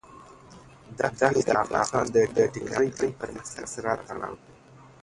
ښتې د افغانستان د تکنالوژۍ پرمختګ سره تړاو لري.